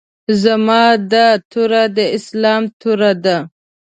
زما دا توره د اسلام توره ده.